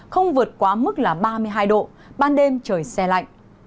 không vượt quá mức là ba mươi hai độ ban đêm trời xe lạnh